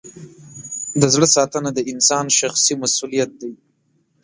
د زړه ساتنه د انسان شخصي مسؤلیت دی.